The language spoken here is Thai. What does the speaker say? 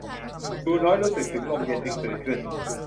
ดูน้อยรู้สึกถึงลมเย็นจึงตื่นขึ้น